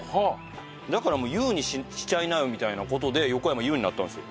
だからもう「裕」にしちゃいなよみたいな事で「横山裕」になったんですよ。